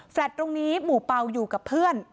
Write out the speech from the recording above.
ตรงนี้หมู่เป่าอยู่กับเพื่อน